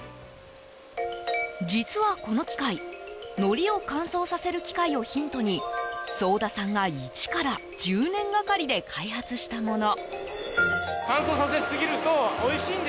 実は、この機械のりを乾燥させる機械をヒントに早田さんが、一から１０年がかりで開発したもの。